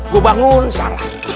gue bangun salah